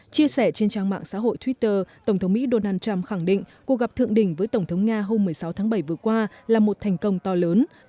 chia sẻ trên trang mạng xã hội twitter tổng thống mỹ donald trump khẳng định cuộc gặp thượng đỉnh với tổng thống nga hôm một mươi sáu tháng bảy vừa qua là một thành công to lớn